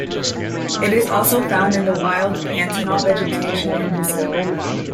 It is also found in the wild Pantanal vegetation in Brazil.